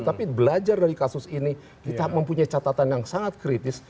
tapi belajar dari kasus ini kita mempunyai catatan yang sangat kritis